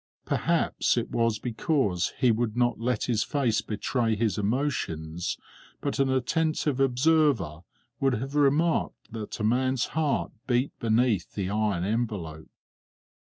Perhaps it was because he would not let his face betray his emotions; but an attentive observer would have remarked that a man's heart beat beneath the iron envelope.